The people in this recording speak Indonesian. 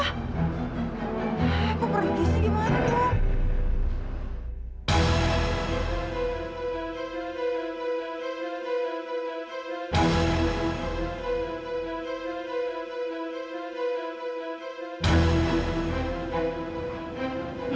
eh kok pergi sih gimana bu